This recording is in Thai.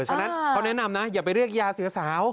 ฉะนั้นเขาแนะนำนะอย่าไปเรียกยาเสือสาว